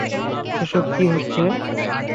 এসব কী হচ্ছে?